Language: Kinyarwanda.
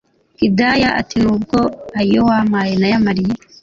Hidaya atinubwo ayo wampaye nayamariye